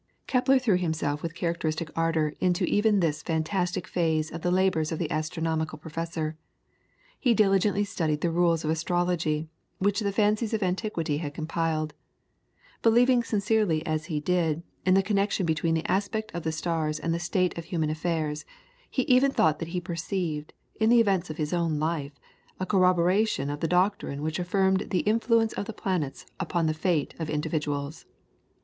Kepler threw himself with characteristic ardour into even this fantastic phase of the labours of the astronomical professor; he diligently studied the rules of astrology, which the fancies of antiquity had compiled. Believing sincerely as he did in the connection between the aspect of the stars and the state of human affairs, he even thought that he perceived, in the events of his own life, a corroboration of the doctrine which affirmed the influence of the planets upon the fate of individuals. [PLATE: KEPLER'S SYSTEM OF REGULAR SOLIDS.